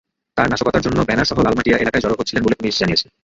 তাঁরা নাশকতার জন্য ব্যানারসহ লালমাটিয়া এলাকায় জড়ো হচ্ছিলেন বলে পুলিশ জানিয়েছে।